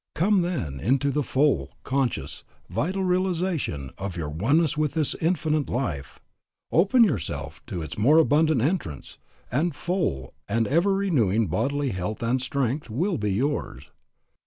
Come then into the full, conscious, vital realization of your oneness with this Infinite Life, open yourself to its more abundant entrance, and full and ever renewing bodily health and strength will be yours.